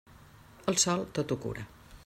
El sol, tot ho cura.